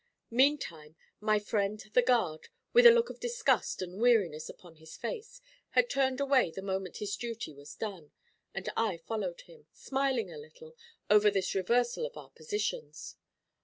Meantime, my friend the guard, with a look of disgust and weariness upon his face, had turned away the moment his duty was done, and I followed him, smiling a little over this reversal of our positions.